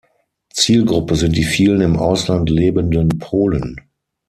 Zielgruppe sind die vielen im Ausland lebenden Polen.